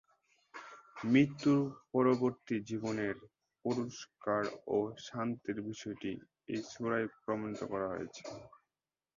মৃত্যু-পরবর্তী জীবনের পুরস্কার ও শাস্তির বিষয়টি এই সূরায় প্রমাণ করা হয়েছে।